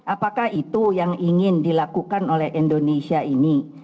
apakah itu yang ingin dilakukan oleh indonesia ini